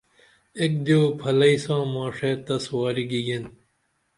ایک دیو پھلی ساں ماڜے تس واری گیگین